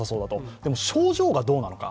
でも症状がどうなのか。